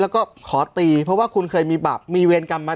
แล้วก็ขอตีเพราะว่าคุณเคยมีบาปมีเวรกรรมมา